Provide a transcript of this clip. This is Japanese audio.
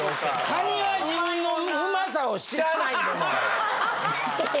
カニは自分の美味さを知らないと思う。